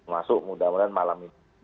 masuk mudah mudahan malam ini